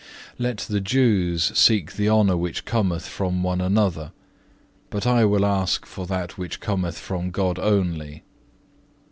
Let the Jews seek the honour which cometh from one another; but I will ask for that which cometh from God only.